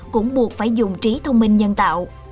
cũng buộc phải dùng trí thông minh nhân tạo